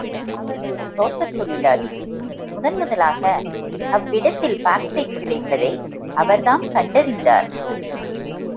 அவர் ஒரு தோட்ட முதலாளி முதன் முதலாக அவ்விடத்தில் பாக்சைட் கிடைப்பதை அவர் தாம் கண்டறிந்தார்.